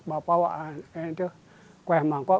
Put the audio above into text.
bapak emak yang itu kue mangkok